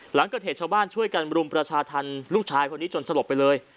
หลังเกิดเหตุชาวบ้านช่วยกันบริการบรรล๒๐๒๓ลูกชายคนที่จนน่ะสลบไปเลย